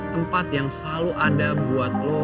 tempat yang selalu ada buat lo